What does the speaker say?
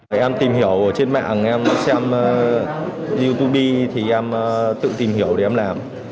em tìm hiểu trên mạng em xem youtube thì em tự tìm hiểu để em làm